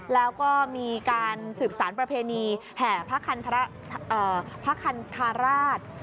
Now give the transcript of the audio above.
แล้วก็มีการสืบสารประเพณีแห่พระคันธาราช